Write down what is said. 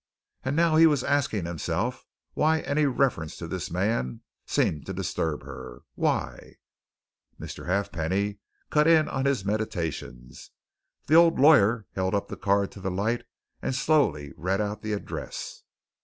And now he was asking himself why any reference to this man seemed to disturb her, why But Mr. Halfpenny cut in on his meditations. The old lawyer held up the card to the light and slowly read out the address.